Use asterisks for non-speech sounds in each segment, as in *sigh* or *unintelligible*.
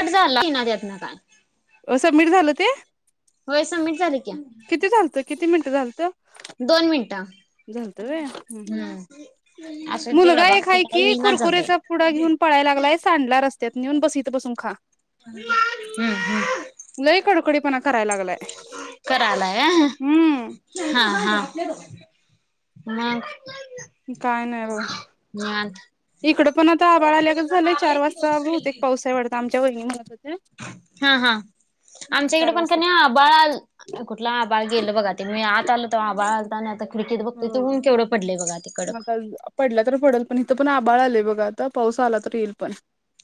Cut झालं ना त्यातन काय. सबमिट झालं ते? होय सबमिट झाली की किती झालतं किती मिनिटं झालतं? दोन मिनिटं झालतं होय हुं हम्म असू दे तिकडं मुलगा एक बाकी आहे काही की होईना झालंय कुरकुरेचा पुडा घेऊन पळायला लागलाय सांडला नेऊन बस इथं बसून खा हम्म हम्म लय कडकडीपणा करायला लागलाय. करायला हम्म आहे हां हां मग काय नाही निवांत बाबा इकडं पण आता आभाळ आल्यागत झालंय चार वाजता बहुतेक पाऊस आहे वाटतं आमच्या वहिनी म्हणत होत्या हा हा आमच्याकडे चार पण का वाजता नाही आभाळ कुठला आभाळ गेल बघा ते मी आत आल तर आ *inaudible* ह मग आता पडला तर पडल पण इथ पण आभाळ आलेय बघा आता पाऊस आला तर येईल पण.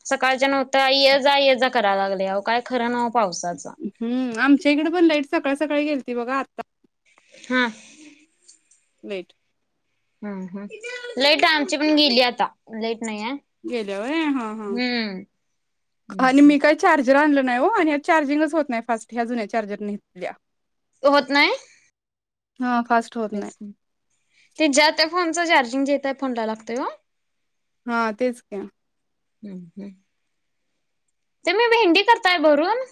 सकाळच्या नव्हतं ये जा य जा कराला लागले काय खरं नव्ह पावसाचं हम्म आमच्या इकडे पण लाईट सकाळ सकाळी गेल ते बघा आता हा लेट हम् हम लाईट आमची पण गेली आता लाईट. नाही आहे गेल्यावर हा हा हम्म हम्म आणि हम्म मी काय चार्ज चार्जर आणलं नाही हो आणि नाही आणि चार्जिंगच होत नाही फास्ट ह्या जुन्या चार्जर नल्या होत नाही? हा फास्ट होत नाही ते जातक फोनचं चार्जिंग घेेतय फोन लागतोय. हा तेच की हम् हम् तर मी भेंडी करताय भरून?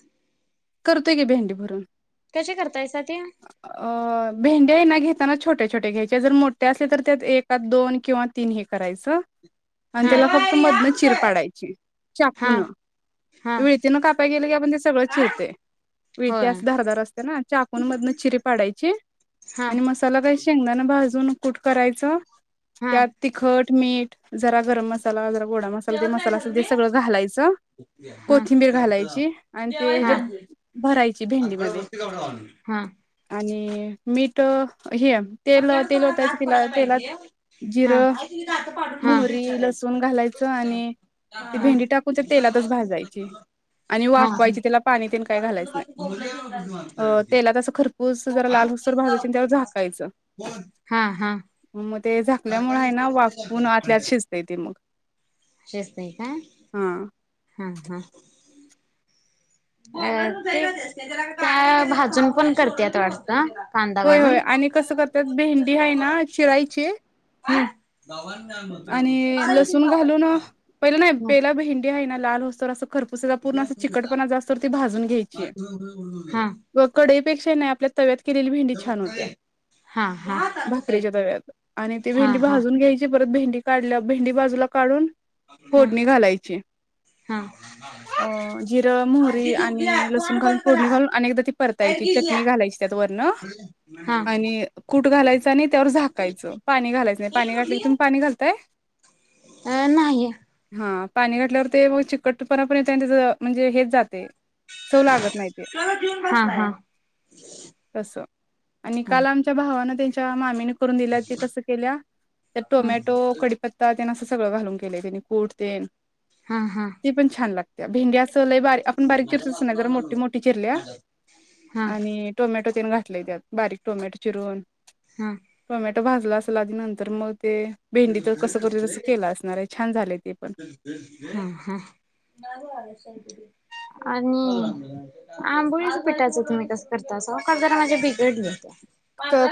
करतोय की भेंडी भरून. कशी करतायसा ते? अ भेंड्या आहे ना घेत *unintelligible* छोटे छोटे घ्यायचे जर मोठे असेल तर त्यात एकात दोन किंवा तीन हे करायचं. आणि त्याला फक्त जेवाय या मधनं चिर म्हणतोय. पाडायची हा चाकून हा. विळतीन कापाय गेलं की आपण ते सगळं काय? चिरते विळती होय अस धारदार असते ना चाकू मग मदन चीरी पाडायची हा मसाला *unintelligible* शेंगदाणा भाजून कुट करायचं हा. त्यात तिखट मीठ जरा गरम मसाला वगै गोडा मसाला ते जेवत मसाला नाहीसा असेल ते तुम्ही? सगळं घालायचं. हा. कोथिंबीर घालायची. आणि ते जेवायच हच्यात आधी. भरायची भेंडीमध्ये. हमं *inaudible* आणि मीठ हे तेल पक्क्यान तेल सगळा होतायचं गाठ तिला पडायला तेलात पाहिजे. हा. जिरं नाही तुम्ही दात पाडून ठेवलेलं मोहरी विचारायचं. लसूण घालायचं. आणि हा ती हा. भेंडी टाकून तर तेलातच भाजायची, आणि हा वाफवायची, त्याला पाणी ते काही घालायचं नाही. तेलात असं खर पूस जरा लाल हुसर भाजाची त्याला झाकायचं. हा ते झाकल्यामुळे आहे ना वाचून आतल्यात शिजताय ते मग शिजतय काय? हा. हा हा. *unintelligible* अ त्या भाजून पण करते आत वाटतं कांदा होय होय घालून. आणि कसं करतात भेंडी आहे ना चिरायची आणि लसूण घालून पहिला नाही, पहिला भेंडी आहे ना. लाल होस्तोवर असं खरपूस पूर्ण चिकटपणा जास्तूर भाजून घ्यायची हा व कढई नाही आपल्या तव्यात केलेली भेंडी छान होत्या हा हा भाकरीच्या तव्यात आणि ती हा हा भेंडी भाजून घ्यायची. परत भेंडी काढल्या भेंडी बाजूला काढून. हा फोडणी घालायची हा. अ जिरं मोहरी आजी झोपली आणि लसूण तोंड घालून बंद करा फोडणी घालून अनेकदा ती लाईट परतायची गेली चटणी घालायची. त्यावरन हा. आणि कूट घालायचं आणि त्यावर झाकायचं. पाणी घालायचं नाही पाणी घातलं की, नसतंय नाही ह हा पाणी घातल्यावर ते मग चिकटपणा पण येतय आणि त्याच म्हणजे हेच जातय. चव लागत नाय ते हा. आणि काल आमच्या भावानं त्या मामी नी करून दिल्या ते कस केलीय टोमॅटो, कडीपत्ता, असं सगळं घालून केले त्यांनी कुट तेन हा हा ती पण छान लागतय भेंड असं लय आपण बारीक चिरतो नाही जर मोठी मोठी चिरल्या हा हा आणि टोमॅटो घातलय त्यात बारीक टोमॅटो चिरून हा टोमॅटो भाजला असल आधी नंतर मग ते भेंडी तर कसं करतोय तसं केलं असणार आहे छान झालंय ते पण *unintelligible* हा हा *unintelligible* आणि *unintelligible* आंबोळीच पिठाच तुम्ही कस करत जरा माझे बिघडल होत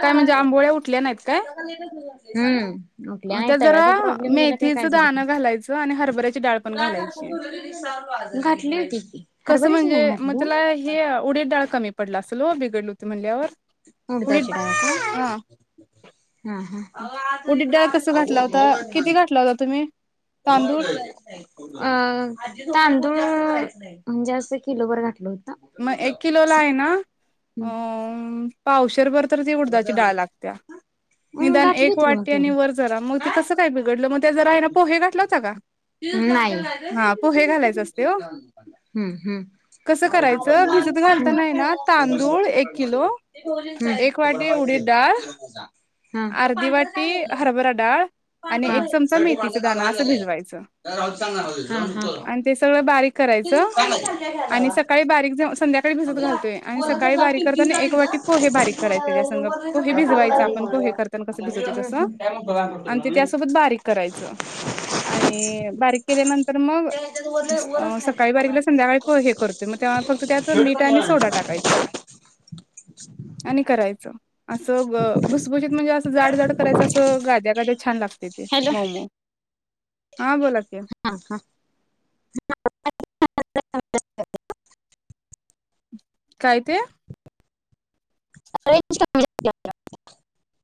काय म्हणजे आंबोळ्या उठल्या नाहीत काय घालायचाच हम्म उठल्या नाही त्यात जरा तव्याचा प्रॉब्लेम झाला का काय मेथीचं झालं दाणं घालायचं आणि हरभऱ्याची डाळ पण घालायची. का घातली होती की कसं हरभऱ्याची म्हणजे नाही मग घातली त्याला हे उडीट डाळ कमी पडला असलो बिघडल होती म्हणल्यावर उडीद उडदाची डाळत हा हा उडीद ह डाळ कसं घातला होता किती घातला होता तुम्ही? तांदूळ अ तांदूळ म्हणजे असं किलो भर घातल होत मग एक किलो ला आहे ना अ औषध बर उडदाची डाळ लागतिया हम्म निदान घातली एक होती मग वाटी तेवढी. वर जरा मग ते कस काय बीगडल ते जरा आहे ना पोहे घातलं होतं का *unintelligible* हा पोहे नाही. घालायच असते हो हम्, कसं करायचं भिजत घालताना आहे हम्, ना तांदूळ एक किलो हम, एक वाटी उडीद डाळ हम. अर्धी वाटी हरभरा डाळ, आणि एक पांढरं चमचा मेथीचे दाण असं भिजवायचं. आणि ते सगळं बारीक करायचं, आणि सकाळी बारीक संध्याकाळी भिजत घालतोय, आणि बोलत सकाळी जा बारीक पिंपी करताना जा एक वाटी पोहे बारीक करायच तेच्या तिकडं संग वरचा पोहे पॅक भिजवायच पण पोहे काढून करताना कस भिजवतोय तस आणि ते त्यासोबत बारीक करायच. आणि आणि बारीक केल्यानंतर मग त्या ह्याच्यात वरले वरच आहेत बघ सकाळी कोण बारीक केलं संध्याकाळी पोहे आहे. करतोय मग तेव्हा फक्त त्यात मीठ आणि सोडा टाकायचा, आणि करायचं. असं ग भुसभुशीत म्हणजे असं जाड जाड करायं असं गाद्या गाध्या छान लागते. ते हॅलो मऊमऊ हा बोला की. *unintelligible* काय ते? *unintelligible*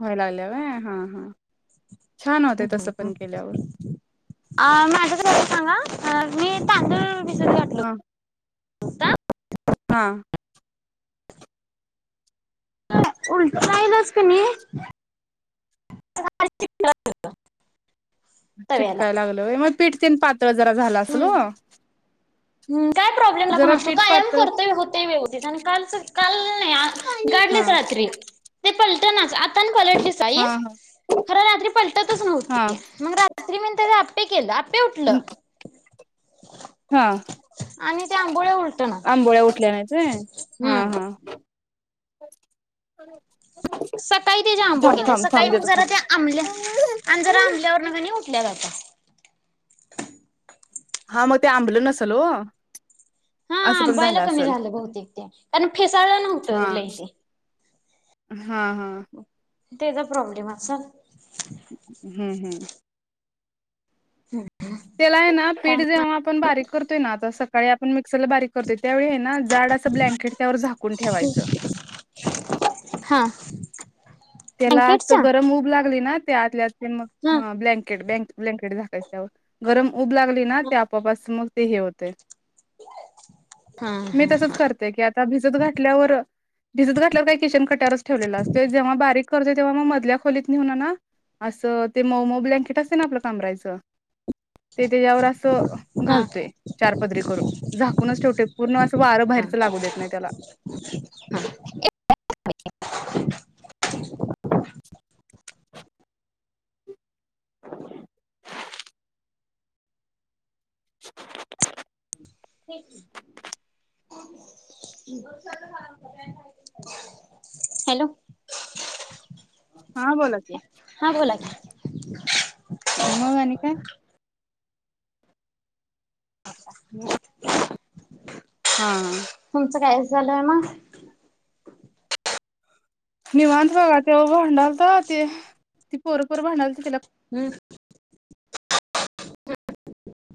व्हायला लागल्या व्हय हा हा छान होते तसं पण केल्यावर आ माझा तर सांगा. अ मी तांदूळ भिजत हां. का? हां. उलटाईलाच कणी *unintelligible* तव्याला चिटकाय लागलं होय मग पीठ तेन पात ळ जरा झाल आसल वो. हम्म. काय प्रॉब्लेम झाला कुणास ठावूक कायम पातळ करतोय होतय वेवस्तीत काल च हा रात्री पलटनाच. आता आणि पलटलीसा ही? हा पलटतच हा नव्हती. रात्री म्हणताना आप्पे केल आप्पे उटल. *inaudible* हा उलटना हम्म आंबोळ्या उठल्या नाहीच होय? हा हा. *unintelligible* सकाळी ते जरा थांब आंबोलेल, थांब सकाळी थांब मग देतो जरा थांब त्या आंबल्या आणि जरा आंबल्यावरन कणी उठल्या आता. *inaudible* हा मग ते आंबलं नसेल हो. हा अंबायाला कमी झालं बहुतेक ते कारण फेसाळलं नव्हतं हा लइ ते. हा हा. त्याचा प्रॉब्लेम अस हम्म हम्म. हम्. त्याला आहे ना पीठ जेव्हा आपण बारीक करतोय ना आता सकाळी चल बारीक करतोय त्यावेळी आहे ना जाड असं ब्लँकेट त्यावर झाकून ठेवायचं. *inaudible* त्याला अस ब्लँकेटचा गरम ऊब लाग ग ना त्याआल्या त्यात. ग हा हां ब्लँकेट बँक ब्लँकेट झाकायच त्यावर गरम ऊब लागली ना ते आपोप अस मग ते हे होते. हा मी हा तसच करते की आता भिजत घटल्यावर भिजत घातल्यावर का किचन कट्यावरच ठेवलेला असत जेव्हा बारीक करते तेव्हा मग मधल्या खोलीत नेहुन ना असं ते मऊ मऊ ब्लँकेट असते ना आपलं कमरायच. ते त्याच्यावर असं हा घालतोय चार पदरी करून झाकूनच ठेवतोय पूर्ण असं वारं हा बाहेरच लागू देत नाही त्याला. *unintelligible* *unintelligible* हॅलो! हा बोला की. हा बोला की मग आणि काय? हम्. हा हा. झालंय मग? निवांत बघा तेव भांडालता, ते ती पोरपोर भांडालते तिला हम्म.